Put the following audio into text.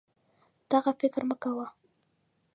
دغه فکر مه کوه